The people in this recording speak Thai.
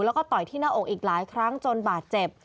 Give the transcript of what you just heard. แล้วก็ต่อยที่หน้าอกอีกหลายครั้งจนบาดเจ็บ